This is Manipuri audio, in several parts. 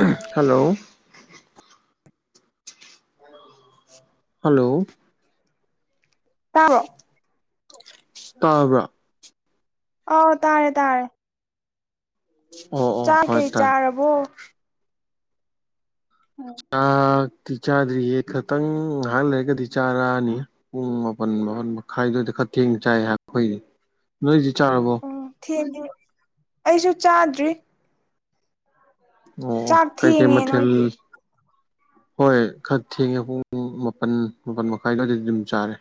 ꯑꯍꯝ ꯍꯜꯂꯣ ꯍꯜꯂꯣ ꯇꯕꯔꯣ ꯇꯔꯕ꯭ꯔꯥ ꯑꯣ ꯇꯥꯔꯦ ꯇꯥꯔꯦ ꯑꯣ ꯑꯣ ꯆꯥꯛ ꯍꯣꯏ ꯀꯩ ꯇꯥꯏ ꯆꯥꯔꯕꯣ [unintelligible] ꯆꯥꯛꯇꯤ ꯆꯥꯗ꯭ꯔꯤꯌꯦ ꯈꯇꯪ ꯉꯍꯥꯛ ꯂꯩꯔꯒꯗꯤ ꯆꯥꯔꯛꯑꯅꯤ ꯄꯨꯡ ꯃꯥꯄꯜ ꯃꯥꯄꯜ ꯃꯈꯥꯏ ꯑꯗꯨꯋꯥꯏꯗ ꯈꯔ ꯊꯦꯡꯅ ꯆꯥꯏ ꯑꯈꯣꯏꯗꯤ ꯅꯣꯏꯗꯤ ꯆꯥꯔꯕꯣ ꯎꯝ [unintelligible] ꯑꯩꯖꯨ ꯆꯥꯗ꯭ꯔꯤ ꯑꯣ ꯆꯥꯛ ꯀꯩ ꯀꯩ ꯊꯦꯡꯉꯦ ꯃꯊꯦꯜ ꯅꯣꯏꯒꯤ ꯍꯣꯏ ꯈꯔ ꯊꯦꯡꯉꯦ ꯄꯨꯡ ꯃꯥꯄꯟ ꯃꯥꯄꯟ ꯃꯈꯥꯏ ꯑꯗꯨꯋꯥꯏꯗꯗꯤ ꯑꯗꯨꯝ ꯆꯥꯔꯦ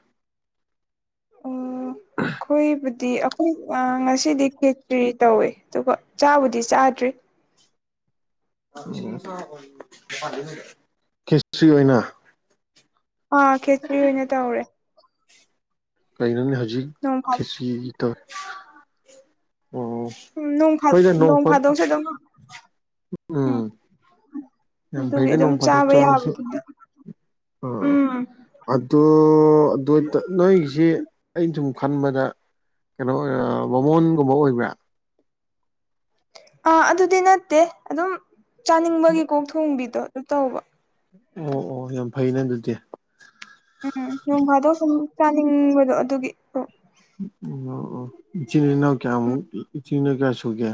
ꯑꯣ ꯈꯣꯏꯕꯨꯗꯤ ꯈꯣꯏ ꯑꯥ ꯉꯁꯤꯗꯤ ꯈꯦꯇ꯭ꯔꯤ ꯇꯧꯋꯦ ꯑꯗꯨꯒ ꯆꯥꯕꯨꯗꯤ ꯆꯥꯗ꯭ꯔꯤ ꯈꯦꯆ꯭ꯔꯤ ꯑꯣꯏꯅ ꯑꯥ ꯈꯦꯆ꯭ꯔꯤ ꯑꯣꯏꯅ ꯇꯧꯔꯦ ꯀꯩꯅꯅꯦ ꯍꯧꯖꯤꯛ ꯅꯣꯡ ꯐꯥꯗꯣꯛ ꯈꯦꯆ꯭ꯔꯤ ꯇꯧꯋꯦ ꯑꯣ ꯎꯝ ꯅꯣꯡ ꯐꯥ ꯍꯣꯏꯗ ꯅꯣꯡ ꯐꯥ ꯐꯥꯗꯣꯛꯁꯨ ꯑꯗꯨꯝ ꯎꯝ ꯌꯥꯝ ꯑꯗꯨꯒꯤ ꯐꯩꯗ ꯑꯗꯨꯝ ꯅꯣꯡ ꯐꯥꯗꯣꯛ ꯆꯥꯕ ꯆꯥꯕꯁꯨ ꯌꯥꯕꯗꯨꯗ ꯑꯥ ꯎꯝ ꯑꯗꯣ ꯑꯗꯣ ꯇ ꯅꯣꯏꯒꯤꯖꯦ ꯑꯩꯅ ꯁꯨꯝ ꯈꯟꯕꯗ ꯀꯩꯅꯣ ꯑꯣꯏ ꯃꯕꯥꯃꯣꯟꯒꯨꯝꯕ ꯑꯣꯏꯕ꯭ꯔꯥ ꯑꯥ ꯑꯗꯨꯗꯤ ꯅꯠꯇꯦ ꯑꯗꯨꯝ ꯆꯥꯅꯤꯡꯕꯒꯤ ꯀꯣꯛ ꯊꯣꯡꯕꯤꯗꯣ ꯑꯗꯨ ꯇꯧꯕ ꯑꯣ ꯑꯣ ꯌꯥꯝ ꯐꯩꯅ ꯑꯗꯨꯗꯤ ꯎꯝ ꯅꯣꯡ ꯐꯥꯗꯣꯛ ꯁꯨꯝ ꯆꯥꯅꯤꯡꯕꯗꯣ ꯑꯗꯨꯒꯤ ꯑꯣ ꯑꯣ ꯏꯆꯤꯟ ꯏꯅꯥꯎ ꯀꯌꯥꯃꯨꯛ ꯏꯆꯤꯟ ꯏꯅꯥꯎ ꯀꯌꯥ ꯁꯨꯒꯦ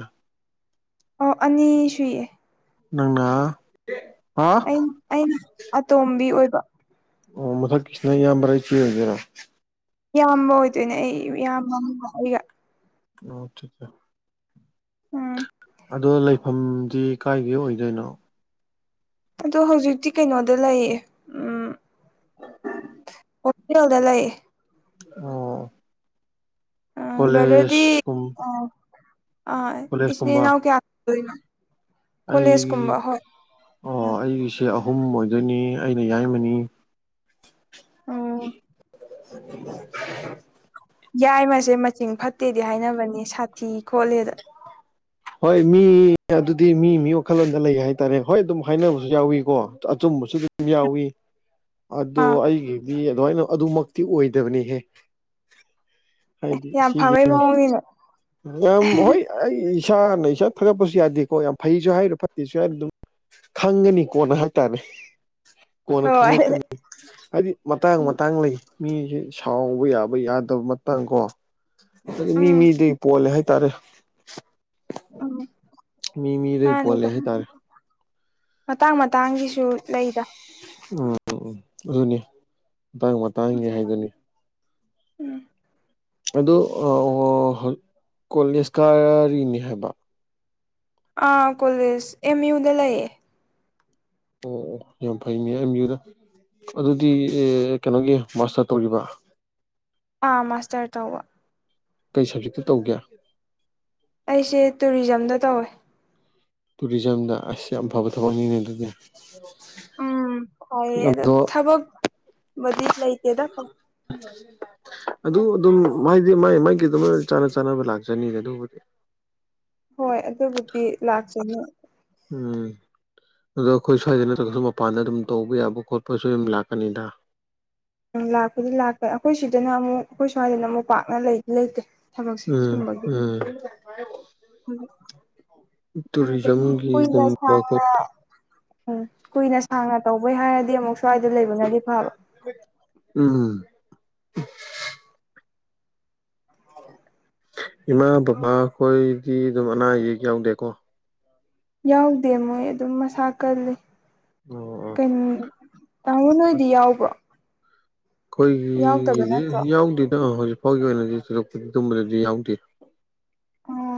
ꯑꯣ ꯑꯅꯤ ꯁꯨꯏꯌꯦ ꯅꯪꯅ ꯍꯥꯎ ꯑꯩꯅ ꯑꯩꯅ ꯑꯇꯣꯝꯕꯤ ꯑꯣꯏꯕ ꯑꯣ ꯃꯊꯛꯀꯤꯁꯤꯅ ꯏꯌꯥꯝꯕꯔ ꯏꯆꯦ ꯑꯣꯏꯗꯣꯏꯔꯥ ꯏꯌꯥꯝꯕ ꯑꯣꯏꯗꯣꯏꯅꯦ ꯑꯩ ꯏꯌꯥꯝꯕ ꯑꯃꯒ ꯑꯩꯒ ꯑꯣ ꯎꯝ ꯑꯗꯣ ꯂꯩꯐꯝꯗꯤ ꯀꯥꯏꯗꯩ ꯑꯣꯏꯗꯣꯏꯅꯣ ꯑꯗꯣ ꯍꯧꯖꯤꯛꯇꯤ ꯀꯩꯅꯣꯗ ꯂꯩꯌꯦ ꯎꯝ [unintelligible] ꯍꯣꯇꯦꯜꯗ ꯂꯩꯌꯦ ꯑꯣ ꯎꯝ ꯀꯣꯂꯦꯖ ꯕ꯭ꯔꯗꯔꯗꯤ ꯀꯨꯝ ꯑꯥ ꯑꯥ ꯀꯣꯂꯦꯖ ꯏꯆꯤꯟ ꯀꯨꯝꯕ ꯏꯅꯥꯎ ꯀꯌꯥ ꯅꯣ ꯑꯩ ꯑꯥ ꯑꯩꯒꯤꯁꯦ ꯑꯍꯨꯝ ꯑꯣꯏꯗꯣꯏꯅꯤ ꯑꯩꯅ ꯌꯥꯏꯃꯅꯤ ꯑꯣ [inaudible] ꯌꯥꯏꯃꯁꯦ ꯃꯆꯤꯡ ꯐꯠꯇꯦꯗꯤ ꯍꯥꯏꯅꯕꯅꯦ ꯁꯥꯊꯤ ꯈꯣꯠꯂꯦꯗ ꯍꯣꯏ ꯃꯤ ꯑꯗꯨꯗꯤ ꯃꯤ ꯃꯤ ꯋꯥꯈꯜꯂꯣꯟꯗ ꯂꯩ ꯍꯥꯏꯇꯥꯔꯦ ꯍꯣꯏ ꯑꯗꯨꯝ ꯍꯥꯏꯅꯕꯖꯨ ꯌꯥꯎꯋꯤꯀꯣ ꯑꯆꯨꯝꯕꯁꯨ ꯑꯗꯨꯝ ꯌꯥꯎꯋꯤ [inaudible] ꯑꯗꯣ ꯑꯥ ꯑꯩꯒꯤꯗꯤ ꯑꯗꯨꯃꯥꯏꯅ ꯑꯗꯨꯃꯛꯇꯤ ꯑꯣꯏꯗꯕꯅꯤꯍꯦ ꯍꯥꯏꯗꯤ ꯌꯥꯝ ꯐꯕꯩ [unintelligible] ꯃꯑꯣꯡꯅꯤꯅꯦ ꯌꯥꯝ ꯍꯣꯏ ꯑꯩ ꯏꯁꯥꯅ ꯏꯁꯥ ꯊꯥꯒꯠꯄꯁꯨ ꯌꯥꯗꯦꯀꯣ ꯌꯥꯝ ꯐꯩꯁꯨ ꯍꯥꯏꯔꯣꯏ ꯐꯠꯇꯦꯁꯨ ꯍꯥꯏꯔꯣꯏ ꯑꯗꯨꯝ ꯈꯪꯒꯅꯤ ꯀꯣꯟꯅ ꯍꯥꯏꯇꯥꯔꯦ ꯀꯣꯟꯅ ꯍꯣꯏ ꯈꯪꯂꯛꯀꯅꯤ ꯍꯥꯏꯗꯤ ꯃꯇꯥꯡ ꯎꯝ ꯃꯇꯥꯡ ꯂꯩ ꯃꯤꯁꯦ ꯁꯥꯎꯕ ꯌꯥꯕ ꯌꯥꯗꯕ ꯃꯇꯥꯡ ꯀꯣ ꯃꯤ ꯎꯝ ꯃꯤꯗꯩ ꯄꯣꯜꯂꯦ ꯍꯥꯏꯇꯥꯔꯦ ꯎꯝ ꯃꯤ [inaudible] ꯃꯤꯗꯒꯤ ꯄꯣꯜꯂꯦ ꯃꯥꯅꯤꯗ ꯍꯥꯏꯇꯥꯔꯦ ꯃꯇꯥꯡ ꯃꯇꯥꯡꯒꯤꯁꯨ ꯂꯩꯗ ꯎꯝ ꯎꯝ ꯑꯗꯨꯅꯤ ꯃꯇꯥꯡ ꯃꯇꯥꯡꯒꯤ ꯍꯥꯏꯗꯨꯅꯤ ꯎꯝ ꯑꯗꯣ [unintelligible] ꯀꯣꯂꯦꯖ ꯀꯥꯔꯔꯤꯅꯦ ꯍꯥꯏꯕ ꯑꯥ ꯀꯣꯂꯦꯖ ꯑꯦꯝ ꯌꯨꯗ ꯂꯩꯌꯦ ꯑꯣ ꯑꯣ ꯌꯥꯝ ꯐꯩꯅꯦ ꯑꯦꯝ ꯌꯨꯗ ꯑꯗꯨꯗꯤ ꯑꯦ ꯀꯩꯅꯣꯒꯤ ꯃꯥꯁꯇꯔ ꯇꯧꯔꯤꯕ ꯑꯥ ꯃꯥꯁꯇꯔ ꯇꯧꯕ ꯀꯩ ꯁꯕꯖꯦꯛꯇ ꯇꯧꯒꯦ ꯑꯩꯁꯦ ꯇꯨꯔꯤꯖꯝꯗ ꯇꯧꯋꯦ ꯇꯨꯔꯤꯖꯝꯗ ꯑꯁ ꯌꯥꯝ ꯐꯕ ꯊꯕꯛꯅꯤꯅꯦ ꯑꯗꯨꯗꯤ [unintelligible] ꯎꯝ ꯐꯌꯦ ꯑꯗꯣ ꯊꯕꯛ ꯕꯨꯗꯤ ꯂꯩꯇꯦꯗ [unintelligible] ꯑꯗꯨ ꯑꯗꯨꯝ ꯃꯥꯏꯗꯤ ꯃꯥꯏ ꯀꯩꯅꯣꯃꯥ ꯆꯥꯅ ꯆꯥꯅꯕ ꯂꯥꯛꯆꯅꯤꯗꯥ ꯑꯗꯨꯕꯨꯗꯤ ꯍꯣꯏ ꯑꯗꯨꯕꯨꯗꯤ ꯂꯥꯛꯆꯅꯤ ꯎꯝ ꯑꯗꯣ ꯑꯩꯈꯣꯏ ꯁ꯭ꯋꯥꯏꯗ ꯅꯠꯇ꯭ꯔꯒꯁꯨ ꯃꯄꯥꯟꯗ ꯑꯗꯨꯝ ꯇꯧꯕ ꯌꯥꯕ ꯈꯣꯠꯄꯁꯨ ꯑꯗꯨꯝ ꯂꯥꯛꯀꯅꯤꯗ ꯎꯝ ꯂꯥꯛꯄꯗꯤ ꯂꯥꯛꯈꯔꯦ ꯑꯩꯈꯣꯏ ꯁꯤꯗꯅ ꯑꯃꯨꯛ ꯑꯩꯈꯣꯏ ꯁ꯭ꯋꯥꯏꯗꯅ ꯑꯃꯨꯛ ꯄꯥꯛꯅ ꯂꯩꯗꯤ ꯂꯩꯇꯦ ꯊꯕꯛꯁꯦ ꯎꯝ ꯁꯨꯝꯕꯒꯤ ꯎꯝ [unintelligible] [inaudible] ꯈꯪꯗꯦ ꯀꯨꯏꯅ ꯇꯨꯔꯤꯖꯝꯒꯤꯒꯨꯝꯕ ꯁꯥꯡꯅ ꯈꯣꯠꯄ ꯎꯝ ꯀꯨꯏꯅ ꯁꯥꯡꯅ ꯇꯧꯕꯩ ꯍꯥꯏꯔꯗꯤ ꯑꯃꯨꯛ ꯁ꯭ꯋꯥꯏꯗ ꯂꯩꯕꯅꯗꯤ ꯐꯕ [unintelligible] ꯎꯝ ꯏꯃꯥ ꯕꯕꯥꯈꯣꯏꯗꯤ ꯑꯗꯨꯝ ꯑꯅꯥ ꯑꯌꯦꯛ ꯌꯥꯎꯗꯦꯀꯣ ꯌꯥꯎꯗꯦ ꯃꯣꯏ ꯑꯗꯨꯝ ꯃꯁꯥ ꯀꯜꯂꯤ ꯑꯣ ꯑꯣ [unintelligible] ꯇꯥꯃꯣ ꯅꯣꯏꯗꯤ ꯌꯥꯎꯕ꯭ꯔꯣ ꯌꯥꯎꯗꯕ ꯅꯠꯇ꯭ꯔꯣ ꯑꯩꯈꯣꯏꯒꯤꯒꯤꯗꯤ ꯌꯥꯎꯗꯦꯗ ꯍꯧꯖꯤꯛꯐꯥꯎꯒꯤ ꯑꯣꯏꯅꯗꯤ ꯊꯣꯏꯗꯣꯛꯄꯗꯨꯝꯕꯗꯗꯤ ꯌꯥꯎꯗꯦ ꯑꯣ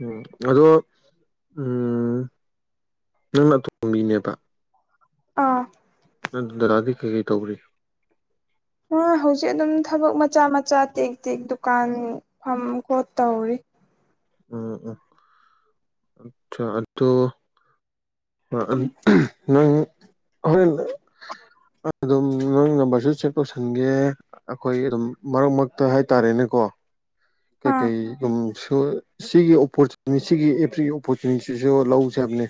ꯎꯝ ꯑꯗꯣ ꯎꯝ ꯅꯪꯅ ꯑꯇꯣꯝꯕꯤꯅꯦꯕ ꯑꯥ ꯅꯪ ꯗꯗꯥꯗꯤ ꯀꯩꯩ ꯀꯩ ꯇꯧꯔꯤ ꯃꯥ ꯍꯧꯖꯤꯛ ꯑꯗꯨꯝ ꯊꯕꯛ ꯃꯆꯥ ꯃꯆꯥ ꯇꯦꯛ ꯇꯦꯛ ꯗꯨꯀꯥꯟ ꯐꯝ ꯈꯣꯠ ꯇꯧꯔꯤ ꯎꯝ ꯎ ꯆꯥ ꯑꯗꯣ ꯎꯝ [unintelligible] ꯅꯪ ꯍꯣꯔꯦꯟ꯫ ꯑꯗꯨꯝ ꯅꯪ ꯅꯝꯕꯔꯁꯨ ꯁꯦꯕ ꯇꯧꯁꯟꯒꯦ ꯑꯩꯈꯣꯏ ꯑꯗꯨꯝ ꯃꯔꯛ ꯃꯔꯛꯇ ꯍꯥꯏꯇꯥꯔꯦꯅꯦꯀꯣ ꯀꯩ ꯑꯥ ꯀꯩ ꯎꯝ ꯁꯣ ꯁꯤꯒꯤ ꯑꯣꯄꯣꯔꯆꯨꯅꯤ ꯁꯤꯒꯤ ꯑꯦꯚ꯭ꯔꯤ ꯑꯣꯄꯣꯔꯆꯨꯅꯤꯇꯤꯁꯨ ꯂꯧꯖꯦ ꯍꯥꯏꯕꯅꯦ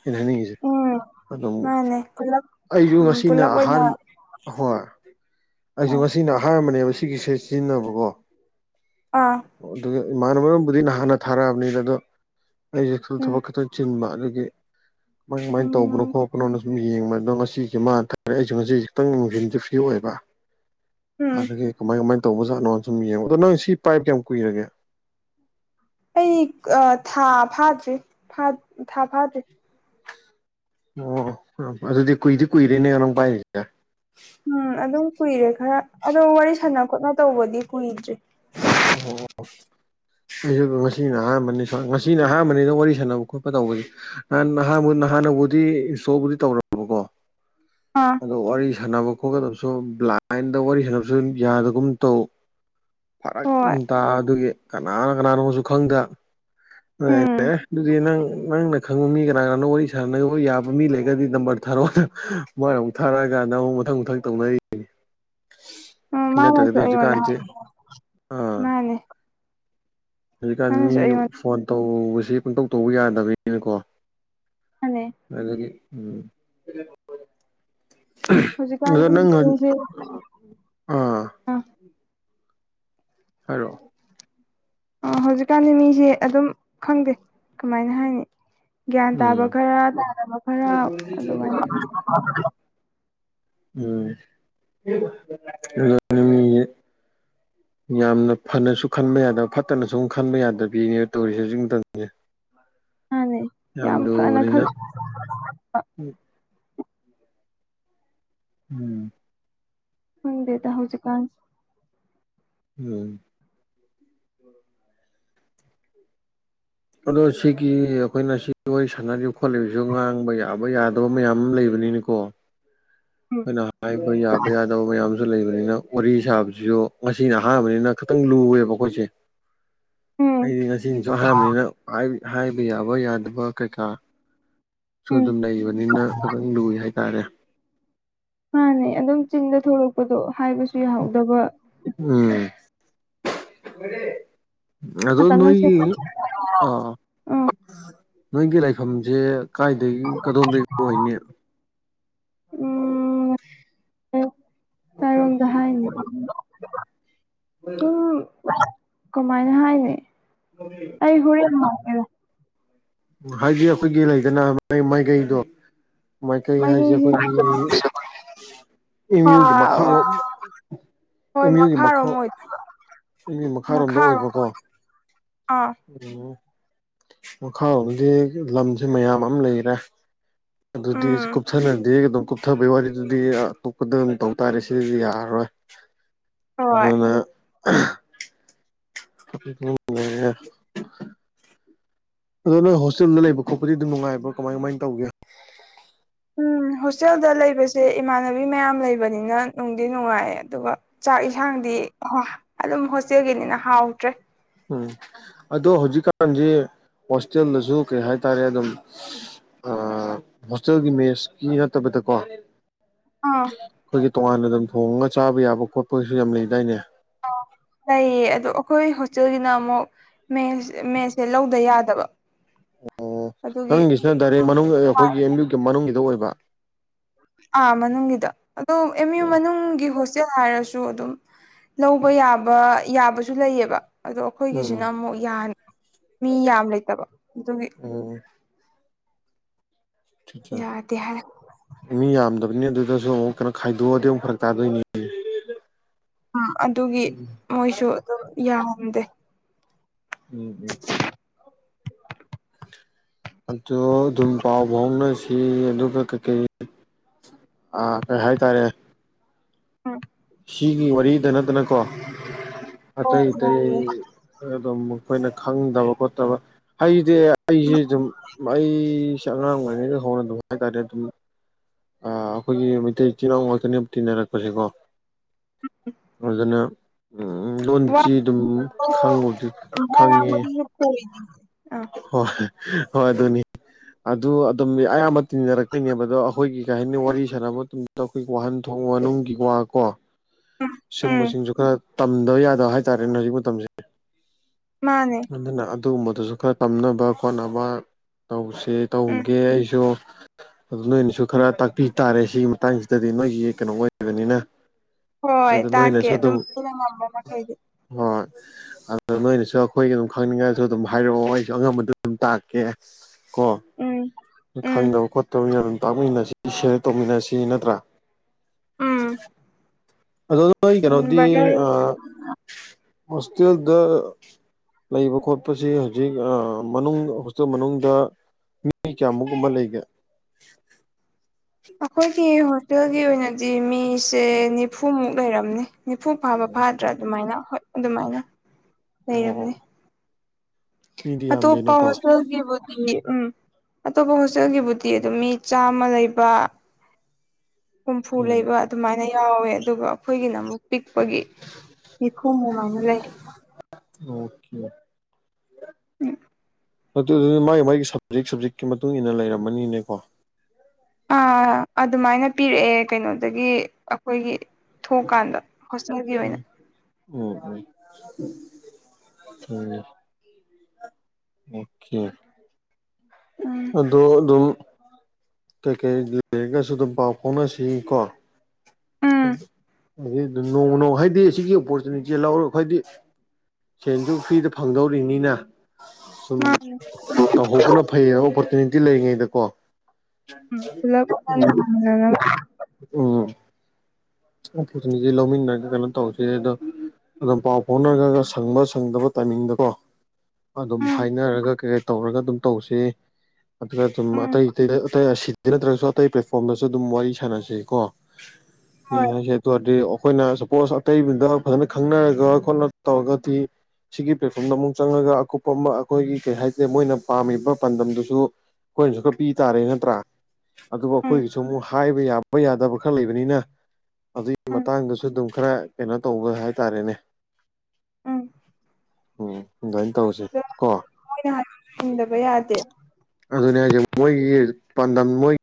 ꯑꯩꯅ ꯍꯥꯏꯅꯤꯡꯉꯤ꯫ ꯎꯝ ꯑꯗꯨꯝ ꯃꯥꯅꯦ ꯄꯨꯂꯞ ꯑꯩꯁꯨ ꯎꯝ ꯉꯁꯤꯅ ꯄꯨꯂꯞ ꯑꯣꯏꯅ ꯑꯍꯥꯟꯕ꯫ ꯍꯣꯏ ꯑꯩꯁꯨ ꯉꯁꯤꯅ ꯑꯍꯥꯟꯕꯅꯦꯕ ꯁꯤꯒꯤꯁꯦ ꯁꯤꯖꯤꯟꯅꯕꯀꯣ ꯑꯥ ꯑꯗꯨꯒ ꯏꯃꯥꯟꯅꯕꯨꯝꯕꯨꯗꯤ ꯅꯍꯥꯟꯅ ꯊꯥꯔꯛꯑꯕꯅꯤꯅ ꯑꯗꯣ ꯑꯩꯁꯨꯁꯨ ꯎꯝ ꯊꯕꯛ ꯈꯪ ꯆꯤꯟꯕ ꯑꯗꯨꯒꯤ ꯀꯃꯥꯏ ꯀꯃꯥꯏꯅ ꯇꯧꯕꯅꯣ ꯎꯝ ꯈꯣꯠꯄꯅꯣꯅ ꯁꯨꯝ ꯌꯦꯡꯕ ꯑꯗ ꯉꯁꯤ ꯃ ꯑꯩꯁꯨ ꯉꯁꯤ ꯈꯤꯇꯪ ꯅꯨꯡꯊꯝꯟꯁꯧ ꯐꯤ ꯑꯣꯏꯕ ꯎꯝ ꯑꯗꯨꯗꯒꯤ ꯀꯃꯥꯏ ꯀꯃꯥꯏꯅ ꯇꯧꯕꯖꯥꯠꯅꯣ ꯁꯨꯝ ꯌꯦꯡꯉꯣ ꯑꯗꯣ ꯅꯪ ꯁꯤ ꯄꯥꯏ ꯀꯌꯥꯝ ꯀꯨꯏꯔꯒꯦ ꯑꯩ ꯊꯥ ꯐꯥꯗ꯭ꯔꯤ ꯊꯥ ꯐꯥꯗ꯭ꯔꯤ ꯑꯣ ꯑꯗꯨꯗꯤ ꯀꯨꯏꯗꯤ ꯀꯨꯏꯔꯦꯅꯦ ꯅꯪ ꯄꯥꯏꯔꯤꯁꯤꯗ ꯎꯝ ꯑꯗꯨꯝ ꯀꯨꯏꯔꯦ ꯈꯔ ꯑꯗꯣ ꯋꯥꯔꯤ ꯁꯥꯟꯅ ꯈꯣꯠꯅ ꯇꯧꯕꯗꯤ ꯀꯨꯏꯗ꯭ꯔꯤ ꯑꯣ ꯑꯩꯁꯨ ꯉꯁꯤꯅ ꯑꯍꯥꯟꯕꯅꯤ ꯉꯁꯤꯅ ꯑꯍꯥꯟꯕꯅꯤꯗ ꯋꯥꯔꯤ ꯁꯥꯟꯅꯕ ꯈꯣꯠꯄ ꯇꯧꯕꯁꯦ ꯅꯥꯟ ꯅꯍꯕꯨ ꯅꯍꯥꯟꯅꯕꯨꯗꯤ ꯏꯟꯁꯇꯣꯜꯕꯨꯗꯤ ꯇꯧꯔꯕꯀꯣ ꯍꯥꯥ ꯑꯗꯣ ꯋꯥꯔꯤ ꯁꯥꯟꯅꯕ ꯈꯣꯠꯀꯗꯕꯁꯨ ꯕ꯭ꯂꯥꯏꯟꯗ ꯋꯥꯔꯤ ꯁꯥꯟꯅꯕꯁꯨ ꯌꯥꯗꯒꯨꯝ ꯇꯧ ꯐꯔꯛ ꯍꯣꯏ ꯇꯥ ꯑꯗꯨꯒꯤ ꯀꯅꯥꯅ ꯀꯅꯥꯅꯣꯁꯨ ꯈꯪꯗ ꯑꯗꯨ ꯎꯝ ꯑꯗꯨꯗꯤ ꯅꯪ ꯅꯪꯅ ꯈꯪꯕ ꯃꯤ ꯀꯅꯥ ꯀꯅꯥꯅꯣ ꯋꯥꯔꯤ ꯁꯥꯟꯅꯅꯕ ꯌꯥꯕ ꯃꯤ ꯂꯩꯒꯗꯤ ꯅꯝꯕꯔ ꯊꯥꯔꯛꯑꯣ ꯃꯣꯏꯅ ꯑꯃꯨꯛ ꯊꯥꯔꯛꯑꯀꯥꯟꯗ ꯑꯃꯨꯛ ꯃꯊꯪ ꯃꯊꯪ ꯇꯧꯅꯔꯤꯅꯤ ꯎꯝ ꯃꯅꯁꯨ ꯑꯩꯑꯣꯟꯗ ꯍꯥꯏ꯫ ꯑ ꯃꯥꯅꯦ ꯍꯧꯖꯤꯀꯟ ꯃꯤ ꯃꯥꯅꯁꯨ ꯑꯩꯉꯣꯟꯗ ꯐꯣꯟ ꯇꯧꯕꯁꯦ ꯄꯨꯡꯇꯧ ꯇꯧꯕ ꯌꯥꯗꯕꯅꯤꯅꯀꯣ ꯃꯥꯅꯦ ꯑꯥꯗꯒꯤ ꯎꯝ꯫ ꯍꯧꯖꯤꯛ ꯀꯥꯟ ꯑꯗꯣ ꯅꯪ ꯑꯥ [unintelligible] ꯍꯥꯏꯔꯛꯑꯣ ꯑ ꯍꯧꯖꯤꯛꯀꯥꯟꯗꯤ ꯃꯤꯁꯦ ꯑꯗꯨꯝ ꯈꯪꯗꯦ ꯀꯃꯥꯏꯅ ꯍꯥꯏꯅꯤ꯫ ꯒ꯭ꯌꯥꯟ ꯇꯥꯕ ꯎꯝ ꯈꯔ ꯇꯥꯗꯕ ꯈꯔ ꯑꯗꯨꯃꯥꯏꯅ ꯎꯝ꯫ ꯌꯥꯝꯅ ꯐꯅꯁꯨ ꯈꯟꯕ ꯌꯥꯗꯕ ꯐꯠꯇꯅ ꯁꯨꯝ ꯈꯟꯕ ꯌꯥꯗꯕꯤꯅꯦ ꯇꯧꯔꯤꯁꯦ ꯍꯧꯖꯤꯛ ꯃꯇꯝꯁꯤ ꯃꯥꯟꯅꯩ ꯌꯥꯝ ꯐꯅ ꯂꯨꯕꯅꯤꯅ ꯈꯟꯁꯨ ꯎꯝ ꯈꯪꯗꯦꯗ ꯍꯧꯖꯤꯛ ꯀꯥꯟꯁꯦ ꯎꯝ ꯑꯗꯣ ꯁꯤꯒꯤ ꯑꯩꯈꯣꯏꯅ ꯁꯤ ꯋꯥꯔꯤ ꯁꯥꯟꯅꯔꯤꯕ ꯈꯣꯠꯂꯤꯕꯁꯨ ꯉꯥꯡꯕ ꯌꯥꯕ ꯌꯥꯗꯕ ꯃꯌꯥꯝ ꯑꯃ ꯂꯩꯕꯅꯤꯅꯤꯀꯣ ꯑꯩꯈꯣꯏꯅ ꯍꯥꯏꯕ ꯌꯥꯕ ꯌꯥꯗꯕ ꯃꯌꯥꯝ ꯁꯤꯗ ꯂꯩꯕꯅꯤꯅ ꯋꯥꯔꯤ ꯁꯥꯕꯁꯤꯁꯨ ꯉꯁꯤꯅ ꯑꯍꯥꯟꯕꯅꯤꯅ ꯈꯤꯇꯪ ꯂꯨꯔꯦꯕ ꯑꯩꯈꯣꯏꯁꯦ ꯎꯝ ꯑꯩꯗꯤ ꯉꯁꯤꯅꯁꯨ ꯍꯥꯏꯔꯕꯅꯤꯅ ꯍꯥꯏꯕ ꯌꯥꯕ ꯌꯥꯗꯕ ꯀꯩꯀꯥ ꯁꯨ ꯎꯝ ꯑꯗꯨꯝ ꯂꯩꯕꯅꯤꯅ ꯑꯗꯨꯝ ꯂꯨꯏ ꯍꯥꯏꯇꯥꯔꯦ ꯃꯥꯥꯟꯅꯦ ꯑꯗꯨꯝ ꯆꯤꯟꯗ ꯊꯂꯛꯄꯗꯣ ꯍꯥꯏꯕꯁꯨ ꯌꯥꯍꯧꯗꯕ ꯎꯝ ꯉꯥꯛꯇꯪꯅ ꯑꯗꯣꯅꯣꯏꯒꯤ ꯁꯦꯝꯕ ꯑꯥ꯫ ꯑꯥ ꯅꯣꯏꯒꯤ ꯂꯥꯏꯐꯝꯁꯦ ꯀꯥꯏꯗꯒꯤ ꯀꯗꯣꯝꯗꯒꯤ ꯑꯣꯏꯅꯤ ꯎꯝ ꯀꯥꯏꯔꯣꯝꯗ ꯍꯥꯏꯅꯤ ꯁꯨꯝ ꯀꯃꯥꯏꯅ ꯍꯥꯏꯅꯤ꯫ [unintelligible] [unintelligible] ꯑꯩ ꯍꯣꯔꯦꯟ ꯍꯥꯏꯔꯒꯦ ꯍꯥꯏꯗꯤ ꯑꯈꯣꯏꯒꯤ ꯂꯩꯗꯅ ꯃꯥꯏ ꯃꯥꯏꯒꯩꯗꯣ ꯃꯥꯏꯀꯩ ꯍꯥꯏꯁꯦ ꯃꯥꯒꯤꯁꯤ ꯑꯈꯣꯏꯒꯤ ꯑꯦꯝ ꯌꯨꯒꯤ ꯃꯈꯥꯔꯣꯝ ꯍꯣꯏ ꯑꯦꯝ ꯌꯨꯒꯤ ꯃꯈꯥꯔꯣꯝ ꯃꯈꯥ ꯑꯣꯏ ꯃꯤ ꯃꯈꯥꯔꯣꯝꯗ ꯃꯈꯥꯔꯣꯝ ꯑꯣꯏꯕꯀꯣ ꯑꯣꯏꯗꯨꯏꯕ ꯃꯥꯈꯥꯔꯣꯝ ꯑꯥ ꯎꯝ ꯃꯈꯥꯔꯣꯝꯗꯗꯤ ꯂꯝꯖꯤ ꯃꯌꯥꯝ ꯑꯝ ꯂꯩꯔꯦ ꯑꯗꯨꯗꯤ ꯁꯨ ꯎꯝ ꯀꯨꯨꯞꯊꯅꯗꯤ ꯑꯗꯨꯝ ꯀꯨꯞꯊꯕꯩ ꯋꯥꯔꯤꯗꯨꯗꯤ ꯑꯇꯣꯞꯄꯗ ꯑꯃꯨꯛ ꯇꯧ ꯇꯥꯔꯦ ꯁꯤꯗꯗꯤ ꯌꯥꯔꯔꯣꯏ ꯍꯣꯏ ꯑꯗꯨꯅ [unintelligible] ꯑꯗꯨ ꯅꯣꯏ ꯍꯣꯁꯇꯦꯜꯗ ꯂꯩꯕ ꯈꯣꯠꯄꯗꯤ ꯗꯨꯝ ꯅꯨꯡꯉꯥꯏꯕ꯭ꯔꯣ ꯀꯃꯥꯏ ꯀꯃꯥꯏꯟ ꯇꯧꯒꯦ ꯎꯝ ꯍꯣꯁꯇꯦꯜꯗ ꯂꯩꯕꯁꯦ ꯏꯃꯥꯟꯅꯕꯤ ꯃꯌꯥꯝ ꯂꯩꯕꯅꯤꯅ ꯅꯨꯡꯗꯤ ꯅꯨꯡꯉꯥꯏ ꯑꯗꯨꯒ ꯆꯥꯛ ꯏꯟꯁꯥꯡꯗꯤ ꯑꯗꯨꯝ ꯍꯣꯁꯇꯦꯜꯒꯤꯅꯤꯅ ꯍꯥꯎꯇ꯭ꯔꯦ ꯎꯝ ꯑꯗꯣ ꯍꯧꯖꯤꯛꯀꯥꯟꯖꯤ ꯍꯣꯁꯇꯦꯜꯗꯁꯨ ꯀꯩ ꯍꯥꯏꯇꯥꯔꯦ ꯑꯗꯨꯝ ꯑꯥ ꯍꯣꯁꯇꯦꯜꯒꯤ ꯃꯦꯁꯀꯤ ꯅꯠꯇꯕꯤꯗꯀꯣ ꯑꯥ ꯑꯈꯣꯏꯒꯤ ꯇꯣꯉꯥꯟꯅ ꯑꯗꯨꯝ ꯊꯣꯡꯉꯒ ꯆꯥꯕ ꯌꯥꯕ ꯈꯣꯠꯄꯒꯤꯁꯨ ꯌꯥꯝ ꯂꯩꯗꯥꯏꯅꯦ ꯑ ꯂꯩꯌꯦ ꯑꯗꯣ ꯑꯈꯣꯏ ꯍꯣꯁꯇꯦꯜꯒꯤꯅ ꯑꯃꯨꯛ ꯃꯦꯁ ꯃꯦꯁꯁꯦ ꯂꯧꯗ ꯌꯥꯗꯕ ꯑꯣ ꯑꯗꯨꯒꯤ ꯅꯪꯒꯤꯁꯤꯅ ꯗꯥꯏꯔꯦꯛ ꯃꯅꯨꯡ ꯑꯈꯣꯏꯒꯤ ꯑꯦꯝ ꯌꯨꯒꯤ ꯃꯅꯨꯡꯒꯤꯗ ꯑꯣꯏꯕ ꯑꯥ ꯃꯅꯨꯡꯒꯤꯗꯣ ꯑꯗꯣ ꯑꯦꯝ ꯌꯨ ꯃꯅꯨꯡꯒꯤ ꯍꯣꯁ ꯆꯦꯜ ꯍꯥꯏꯔꯁꯨ ꯑꯗꯨꯝ ꯂꯧꯕ ꯌꯥꯕ ꯌꯥꯕꯁꯨ ꯂꯩꯌꯦꯕ ꯑꯗꯣ ꯎꯝ ꯑꯈꯣꯏꯒꯤꯁꯤꯅ ꯑꯃꯨꯛ ꯌꯥꯟ ꯃꯤ ꯌꯥꯝ ꯂꯩꯇꯕ ꯑꯗꯨꯒꯤ ꯎꯝ ꯌꯥꯗꯦ ꯍꯥꯏ [unintelligible] ꯃꯤ ꯌꯥꯝꯗꯕꯅꯤꯅ ꯑꯗꯨꯗꯁꯨ ꯑꯃꯨꯛ ꯀꯩꯅꯣ ꯈꯥꯏꯗꯣꯛꯑꯗꯤ ꯑꯃꯨꯛ ꯐꯔꯛ ꯇꯥꯗꯣꯏꯅꯤ ꯎꯝ ꯑꯗꯨꯒꯤ ꯎꯝ ꯃꯣꯏꯁꯨ ꯑꯗꯨꯝ ꯌꯥꯍꯟꯗꯦ ꯎꯝ ꯎꯝ ꯑꯗꯨ ꯑꯗꯨꯝ ꯄꯥꯎ ꯐꯥꯎꯅꯁꯤ ꯑꯗꯨꯒ ꯀꯩꯀꯩ ꯑꯥ ꯀꯩ ꯍꯥꯏꯇꯥꯔꯦ ꯎꯝ ꯁꯤꯒꯤ ꯋꯥꯔꯤꯗ ꯅꯠꯇꯅꯀꯣ ꯑꯇꯩ ꯑꯇꯩ ꯈꯔꯥ ꯑꯗꯨꯝ ꯑꯈꯣꯏꯅ ꯈꯪꯗꯕ ꯈꯣꯠꯇꯕ ꯍꯩꯗꯤ ꯑꯩꯁꯤ ꯑꯗꯨꯝ ꯑꯩꯁꯦ ꯑꯉꯥꯡ ꯑꯣꯏꯔꯤꯉꯩꯗꯩ ꯍꯧꯅ ꯑꯗꯨꯝ ꯍꯥꯏꯇꯥꯔꯦ ꯑꯗꯨꯝ ꯑꯥ ꯑꯈꯣꯏꯒꯤ ꯃꯩꯇꯩ ꯏꯆꯤꯟꯅꯥꯎ ꯉꯥꯛꯇꯅꯦꯕ ꯇꯤꯟꯅꯔꯛꯄꯖꯦꯀꯣ ꯑꯗꯨꯗꯨꯅ ꯎꯝ ꯋꯥ ꯂꯣꯟꯆꯤ ꯑꯗꯨꯝ ꯈꯪꯕꯨꯗꯤ ꯈꯪꯉꯦ ꯑꯥ ꯍꯣꯏ ꯍꯣꯏ ꯑꯗꯨꯅꯤ ꯑꯗꯨ ꯑꯗꯨꯝ ꯑꯌꯥꯝꯕ ꯇꯤꯟꯅꯔꯛꯄꯩꯅꯦꯕ ꯑꯗꯣ ꯑꯈꯣꯏꯒꯤ ꯀꯩ ꯍꯥꯏꯅꯤ ꯋꯥꯔꯤ ꯁꯥꯟꯅꯕ ꯇꯨꯡ ꯇꯧꯀꯤ ꯋꯥꯍꯟ ꯊꯣꯡ ꯋꯥꯅꯨꯡꯒꯤ ꯋꯥ ꯀꯣ ꯎꯝ ꯁꯤꯒꯨꯝꯕꯁꯤꯡꯁꯨ ꯈꯔ ꯇꯝꯗꯕ ꯌꯥꯗꯕ ꯍꯥꯏꯇꯥꯔꯦꯅꯦ ꯍꯧꯖꯤꯛ ꯃꯇꯝꯁꯦ ꯃꯥꯟꯅꯦ ꯑꯗꯨꯅ ꯑꯗꯨꯒꯨꯝꯕꯗꯨꯁꯨ ꯈꯔ ꯇꯝꯅꯕ ꯈꯣꯠꯅꯕ ꯇꯧꯁꯤ ꯎꯝ ꯇꯧꯒꯦ ꯑꯩꯁꯨ ꯑꯗꯨ ꯅꯣꯏꯅꯁꯨ ꯎꯝ ꯈꯔ ꯇꯥꯛꯄꯤ ꯇꯥꯔꯦ ꯁꯤꯒꯤ ꯃꯇꯥꯡꯁꯤꯗꯗꯤ ꯅꯣꯏꯒꯤ ꯀꯩꯅꯣ ꯑꯣꯏꯕꯅꯤꯅ ꯍꯣꯏ ꯑꯗꯨ ꯇꯥꯛꯀꯦ ꯑꯗꯨꯝ ꯑꯩꯅ ꯉꯝꯕ ꯃꯈꯩꯗꯤ ꯍ ꯑꯗꯨꯗ ꯅꯣꯏꯅꯁꯨ ꯈꯣꯏꯒꯤ ꯑꯗꯨꯝ ꯈꯪꯅꯤꯡꯉꯛꯑꯁꯨ ꯑꯗꯨꯝ ꯍꯥꯏꯔꯛꯑꯣ ꯑꯩꯁꯨ ꯑꯉꯝꯕꯗꯨ ꯗꯨꯝ ꯇꯥꯛꯀꯦ ꯀꯣ ꯎꯝ ꯎꯝ ꯈꯪꯗꯕ ꯈꯣꯠ ꯇꯧꯃꯤꯟꯅ ꯑꯗꯨꯝ ꯇꯥꯛꯃꯤꯟꯅꯁꯤ ꯁꯤꯌꯔ ꯇꯧꯃꯤꯟꯅꯁꯤ ꯅꯠꯇ꯭ꯔꯥ ꯎꯝ ꯑꯗꯣꯅꯣꯢ ꯎꯝ ꯀꯩꯅꯣꯗꯤ ꯕꯔꯗꯔ ꯑꯥ ꯍꯣꯁꯇꯦꯜꯗ ꯂꯩꯕ ꯈꯣꯠꯄꯁꯤ ꯍꯧꯖꯤꯛ ꯑꯥ ꯃꯅꯨꯡ ꯍꯣꯁꯇꯦꯜ ꯃꯅꯨꯡꯗ ꯃꯤ ꯀꯌꯥꯃꯨꯛꯒꯨꯝꯕ ꯂꯩꯒꯦ ꯑꯩꯈꯣꯏꯒꯤ ꯍꯣꯁꯇꯦꯜꯒꯤ ꯑꯣꯏꯅꯗꯤ ꯃꯤꯁꯦ ꯅꯤꯐꯨꯃꯨꯛ ꯂꯩꯔꯝꯅꯤ꯫ ꯅꯤꯐꯨ ꯐꯥꯕ ꯐꯥꯗ꯭ꯔꯥ ꯑꯗꯨꯃꯥꯏꯅ ꯍꯣꯏ ꯑꯗꯨꯃꯥꯏꯅ ꯑꯣ ꯂꯩꯔꯝꯅꯤ꯫ ꯃꯤꯗꯤ ꯑꯇꯣꯞꯄ ꯌꯥꯝꯗꯦꯅꯦꯀꯣ ꯍꯣꯁꯦꯜꯒꯤꯕꯨꯗꯤ ꯎꯝ ꯑꯇꯣꯞꯄ ꯍꯣꯁꯇꯦꯜꯒꯤꯕꯨꯗꯤ ꯑꯗꯨꯝ ꯃꯤ ꯆꯥꯝꯃ ꯂꯩꯕ꯫ ꯍꯨꯝꯐꯨ ꯎꯝ ꯂꯩꯕ ꯑꯗꯨꯃꯥꯏꯅ ꯌꯥꯎꯋꯦ ꯑꯗꯨꯒ ꯑꯩꯈꯣꯏꯒꯤꯅ ꯑꯃꯨꯛ ꯄꯤꯛꯄꯒꯤ ꯅꯤꯐꯨꯃꯨꯛ ꯃꯥꯏꯅ ꯂꯩ ꯑꯣ ꯀꯦ ꯎꯝ꯫ ꯑꯗꯨꯗꯤ ꯃꯥꯏ ꯃꯥꯏ ꯁꯞꯖꯦꯛ ꯁꯞꯖꯦꯛꯀꯤ ꯃꯇꯨꯡ ꯏꯟꯅ ꯂꯩꯔꯝꯃꯅꯤꯅꯦꯀꯣ ꯑꯥ ꯑꯗꯨꯃꯥꯏꯅ ꯄꯤꯔꯛꯑꯦ ꯀꯩꯅꯣꯗꯒꯤ ꯑꯩꯈꯣꯏꯒꯤ ꯊꯣꯛꯀꯥꯟꯗ ꯍꯣꯁꯇꯦꯜꯒꯤ ꯑꯣꯏꯅ꯫ ꯑꯣ ꯑꯣ [unintelligible] ꯑꯣ ꯈꯦ ꯎꯝ ꯑꯗꯣ ꯑꯗꯨꯝ ꯀꯩꯀꯩ ꯂꯩꯔꯒꯁꯨ ꯑꯗꯨꯝ ꯄꯥꯎ ꯐꯥꯎꯅꯁꯤ ꯀꯣ ꯎꯝ ꯍꯧꯖꯤꯛ ꯑꯗꯨꯝ ꯅꯣꯡꯃ ꯅꯣꯡ ꯍꯥꯏꯗꯤ ꯁꯤꯒꯤ ꯑꯣꯄꯣꯔꯆꯨꯅꯤꯇꯤ ꯂꯧꯔ ꯈꯣꯏꯗꯤ ꯁꯦꯟꯗꯨ ꯐ꯭ꯔꯤꯗ ꯐꯪꯗꯧꯔꯤꯅꯤꯅ ꯁꯨꯝ ꯃꯥꯅꯦ ꯇꯧꯍꯧꯕꯅ ꯐꯩꯌꯦꯕ ꯑꯣꯄꯣꯔꯆꯨꯅꯤꯇꯤ ꯂꯩꯔꯤꯉꯩꯗꯀꯣ ꯎꯝ ꯄꯨꯂꯞ [inaudible] ꯎꯝ ꯑꯣꯄꯣꯔꯆꯨꯅꯤꯇꯤ ꯂꯧꯃꯤꯟꯅꯔꯒ ꯀꯩꯅꯣ ꯇꯧꯁꯦ ꯑꯗꯣ ꯑꯗꯨꯝ ꯄꯥꯎ ꯐꯥꯎꯅꯔꯒ ꯁꯪꯕ ꯁꯪꯗꯕ ꯇꯥꯏꯃꯤꯡꯗꯀꯣ ꯑꯗꯨꯝ ꯎꯝ ꯍꯥꯏꯅꯔꯒ ꯀꯩꯀꯩ ꯇꯧꯔꯒ ꯑꯗꯨꯝ ꯇꯧꯁꯤ ꯑꯗꯨꯒ ꯑꯗꯨꯝ ꯎꯝ ꯑꯇꯩ ꯑꯇꯩꯗ ꯑꯇꯩ ꯑꯁꯤꯗ ꯅꯠꯇ꯭ꯔꯒꯁꯨ ꯑꯇꯩ ꯄ꯭ꯂꯦꯠꯐꯣꯝꯗꯁꯨ ꯑꯗꯨꯝ ꯋꯥꯔꯤ ꯁꯥꯟꯅꯁꯤ ꯀꯣ ꯃꯤ ꯍꯣꯏ ꯍꯥꯏꯁꯦ ꯑꯗꯨꯑꯣꯏꯔꯗꯤ ꯑꯩꯈꯣꯏꯅ ꯁꯄꯣꯁ ꯑꯇꯩꯗꯨꯗ ꯐꯖꯅ ꯈꯪꯅꯔꯒ ꯈꯣꯠꯅ ꯇꯧꯔꯒꯗꯤ ꯁꯤꯒꯤ ꯄ꯭ꯂꯦꯠꯐꯣꯝꯗ ꯑꯃꯨꯛ ꯆꯪꯉꯒ ꯑꯀꯨꯞꯄ ꯑꯃ ꯑꯩꯈꯣꯏꯒꯤ ꯀꯩ ꯍꯥꯏꯇ ꯃꯣꯏꯅ ꯄꯥꯝꯃꯤꯕ ꯄꯥꯟꯗꯝꯗꯨꯁꯨ ꯑꯩꯈꯣꯏꯅꯁꯨ ꯈꯔ ꯄꯤ ꯇꯥꯔꯦ ꯅꯠꯇ꯭ꯔꯥ ꯑꯗꯨꯕꯨ ꯎꯝ ꯑꯩꯈꯣꯏꯒꯤꯁꯨ ꯑꯃꯨꯛ ꯍꯥꯏꯕ ꯌꯥꯕ ꯌꯥꯗꯕ ꯈꯔ ꯂꯩꯕꯅꯤꯅ ꯑꯗꯨꯒꯤ ꯎꯝ ꯃꯇꯥꯡꯗꯁꯨ ꯑꯗꯨꯝ ꯈꯔ ꯀꯩꯅꯣ ꯇꯧꯕ ꯍꯥꯏꯇꯥꯔꯦꯅꯦ꯫ ꯎꯝ ꯎꯝ ꯑꯗꯨꯃꯥꯏꯅ ꯇꯧꯔꯁꯤ ꯑꯗꯣ ꯀꯣ ꯃꯣꯏꯅ ꯍꯥꯏꯕꯁꯨ ꯏꯟꯗꯕ ꯌꯥꯗꯦ ꯑꯗꯨꯅꯦ ꯍꯥꯏꯁꯦ ꯃꯣꯏꯒꯤ ꯄꯥꯟꯗꯝ ꯃꯣꯏ